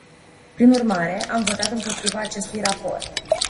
Prin urmare, am votat împotriva acestui raport.